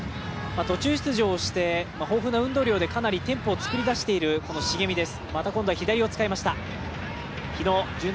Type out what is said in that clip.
途中出場をして、豊富な運動量でかなりテンポを作り出しているこの重見です。